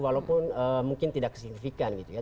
walaupun mungkin tidak signifikan gitu ya